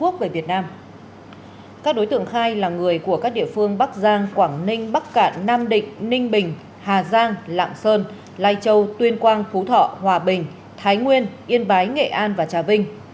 các đối tượng khai là người của các địa phương bắc giang quảng ninh bắc cạn nam định ninh bình hà giang lạng sơn lai châu tuyên quang phú thọ hòa bình thái nguyên yên bái nghệ an và trà vinh